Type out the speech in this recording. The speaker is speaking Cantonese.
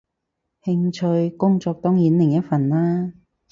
興趣，工作當然另一份啦